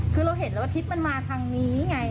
คือเราเห็นแล้วว่าทิศมันมาทางนี้ไง